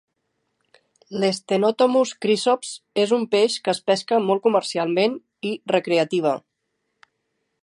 L'stenotomus chrysops és un peix que es pesca molt comercialment i recreativa.